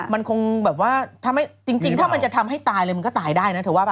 มันคงแบบว่าจริงถ้ามันจะทำให้ตายเลยมันก็ตายได้นะเธอว่าป